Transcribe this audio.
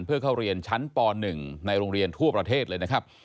เพื่อเข้าเรียนชั้นป๑ในโรงเรียนทั่วประเทศเลยนะครับ